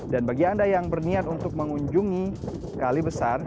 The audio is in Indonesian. dan bagi anda yang berniat untuk mengunjungi kalibesar